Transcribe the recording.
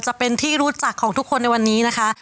จะเป็นที่รู้จักของทุกคนในวันนี้นะคะ